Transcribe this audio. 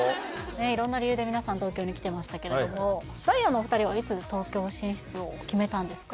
色んな理由で皆さん東京に来てましたけれどもダイアンのお二人はいつ東京進出を決めたんですか？